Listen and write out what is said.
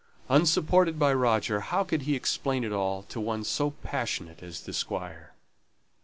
Unsupported by Roger, how could he explain it all to one so passionate as the Squire?